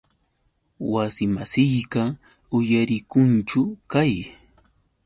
Wasimasiyqa uyarikunchu qay.